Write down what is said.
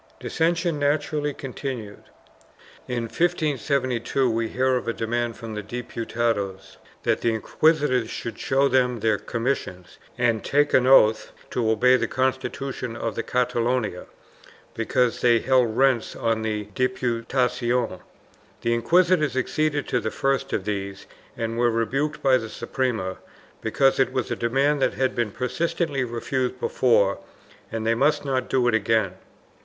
2 Dissension naturally continued. In 1572 we hear of a demand from the Diputados that the inquisitors should show them their commissions and take an oath to obey the constitution of Catalonia, because they held rents on the Diputacion; the inquisitors acceded to the first of these and were rebuked by the Suprema because it was a demand that had been persistently refused before and they must not do it again.